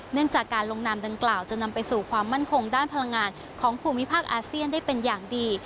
เนื่องจากการลงนามดังกล่าวจะนำไปสู่ความมั่นคงด้านพลังงานของภูมิภาคอาเซียนได้เป็นอย่างดี